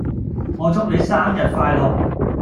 我祝你生日快樂